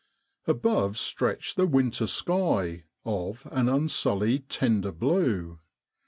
Above stretched the winter sky, of an unsullied tender blue.